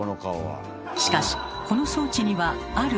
しかしこの装置にはある課題が。